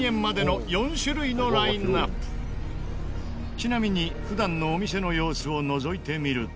ちなみに普段のお店の様子をのぞいてみると。